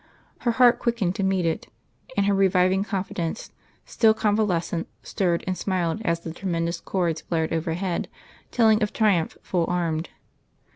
Her heart quickened to meet it, and her reviving confidence, still convalescent, stirred and smiled, as the tremendous chords blared overhead, telling of triumph full armed.